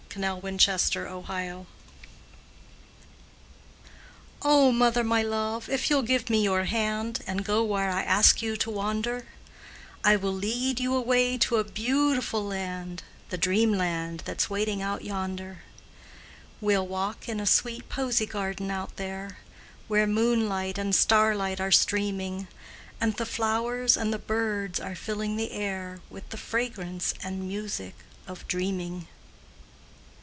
CHILD AND MOTHER O mother my love, if you'll give me your hand, And go where I ask you to wander, I will lead you away to a beautiful land, The Dreamland that's waiting out yonder. We'll walk in a sweet posie garden out there, Where moonlight and starlight are streaming, And the flowers and the birds are filling the air With the fragrance and music of dreaming.